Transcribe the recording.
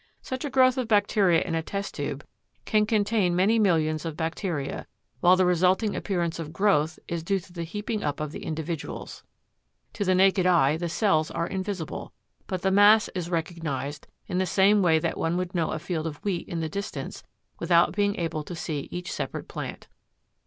Such a growth of bacteria in a test tube can contain many millions of bacteria, while the resulting appearance of growth is due to the heaping up of the individuals. To the naked eye the cells are invisible, but the mass is recognized in the same way that one would know a field of wheat in the distance without being able to see each separate plant.